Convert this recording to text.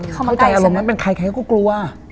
เข้าใจอารมณ์เป็นใครใครก็กลัว